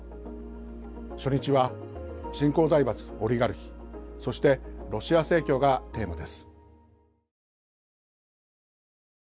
初日は「新興財閥オリガルヒ」そして「ロシア正教」がテーマです。